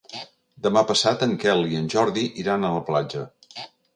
Demà passat en Quel i en Jordi iran a la platja.